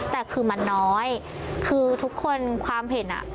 แต่คือมันน้อยคือทุกคนความเห็นอ่ะ